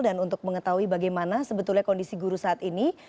dan untuk mengetahui bagaimana sebetulnya kondisi guru saat ini